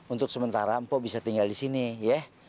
untuk sementara mpo bisa tinggal di sini ya